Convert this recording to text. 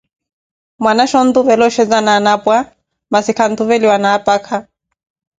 Mwanaxha ontuvela oxheza na anapwa, masi khantuveliwa ni apakha.